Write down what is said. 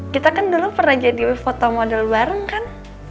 kita kan dulu pernah jadi foto model bareng kan